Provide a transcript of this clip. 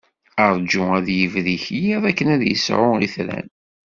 Ṛǧu ad yibrik yiḍ akken ad d-yesɛu itran.